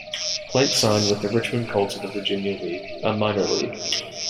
Plank signed with the Richmond Colts of the Virginia League, a minor league.